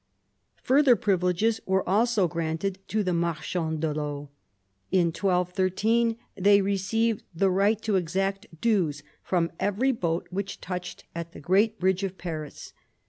Further privileges were also granted to the rnarchands de Veau. In 1213 they received the right to exact dues from every boat which touched at the great bridge of Paris.